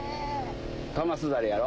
玉すだれやろ。